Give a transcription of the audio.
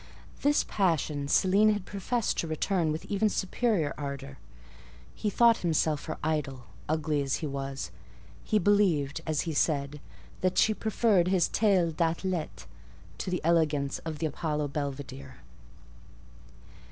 This passion Céline had professed to return with even superior ardour. He thought himself her idol, ugly as he was: he believed, as he said, that she preferred his "taille d'athlète" to the elegance of the Apollo Belvidere.